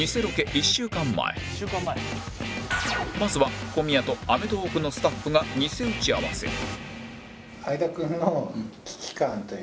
まずは小宮と『アメトーーク』のスタッフが偽打ち合わせは言ってくれますねはい。